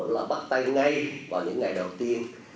là bắt tay ngay vào những ngày đầu tiên